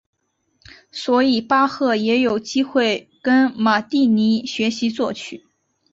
所以巴赫也有机会跟马蒂尼学习作曲。